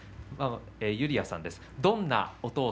ユリアさんです。